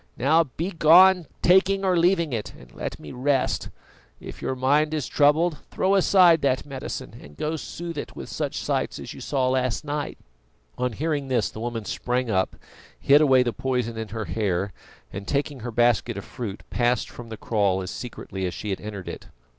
Now begone, taking or leaving it, and let me rest. If your mind is troubled, throw aside that medicine, and go soothe it with such sights as you saw last night." On hearing this the woman sprang up, hid away the poison in her hair, and taking her basket of fruit, passed from the kraal as secretly as she had entered it.